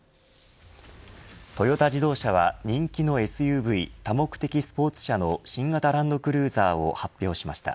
トヨタ自動車は人気のＳＵＶ＝多目的スポーツ車の新型ランドクルーザーを発表しました。